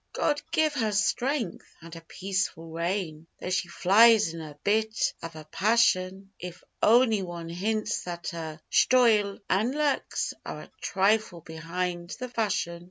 'God give her strength! and a peaceful reign Though she flies in a bit av a passion If ony wan hints that her shtoyle an' luks Are a trifle behind the fashion.